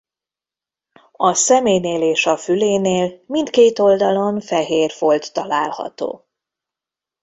A szeménél és a fülénél mindkét oldalon fehér folt található.